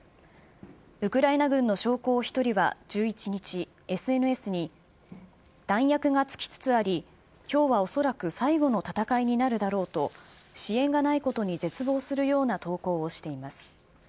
ウクライナ軍の将校１人は１１日、ＳＮＳに、弾薬が尽きつつあり、きょうは恐らく最後の戦いになるだろうと、支援がないことに絶望するような投稿をしています。